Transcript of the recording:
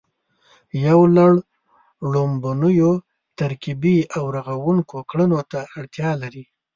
یو لړ ړومبنیو ترکیبي او رغوونکو کړنو ته اړتیا لري